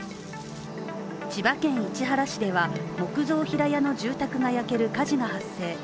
千葉県市原市では、木造平屋の住宅が焼ける火事が発生。